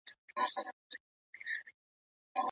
تاسي باید خپله مننه په عمل کي ثابته کړئ.